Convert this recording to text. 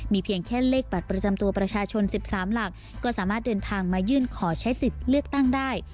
เพียงแค่เลขบัตรประจำตัวประชาชน๑๓หลักก็สามารถเดินทางมายื่นขอใช้สิทธิ์เลือกตั้งได้